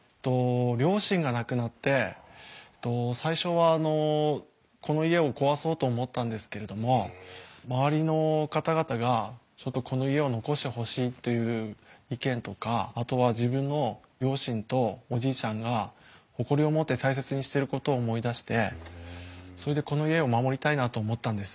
両親が亡くなって最初はあのこの家を壊そうと思ったんですけれども周りの方々がちょっとこの家を残してほしいという意見とかあとは自分の両親とおじいちゃんが誇りを持って大切にしてることを思い出してそれでこの家を守りたいなと思ったんです。